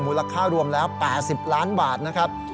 มูลค่ารวมแล้ว๘๐ล้านบาทนะครับ